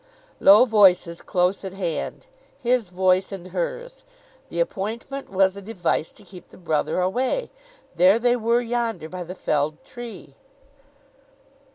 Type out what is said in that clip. Low voices close at hand. His voice and hers. The appointment was a device to keep the brother away! There they were yonder, by the felled tree.